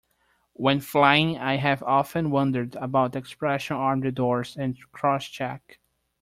When flying, I have often wondered about the expression Arm the Doors and Crosscheck